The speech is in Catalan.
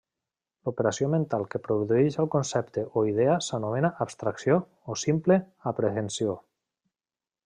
L'operació mental que produeix al concepte o idea s'anomena Abstracció o Simple Aprehensió.